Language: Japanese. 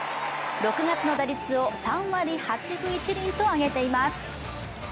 ６月の打率を３割８分１厘と上げています。